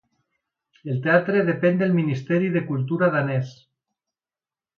El teatre depèn del Ministeri de Cultura danès.